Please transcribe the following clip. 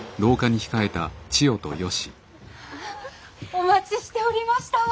お待ちしておりましたわ。